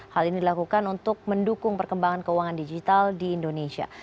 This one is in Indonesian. hal ini dilakukan untuk mendukung perkembangan keuangan digital di indonesia